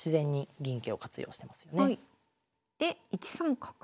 で１三角。